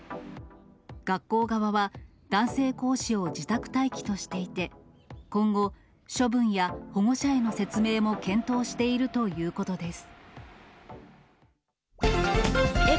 学校側は、男性講師を自宅待機としていて、今後、処分や保護者への説明も検討しているということです。